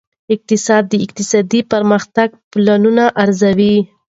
اقتصاد د اقتصادي پرمختګ پلانونه ارزوي.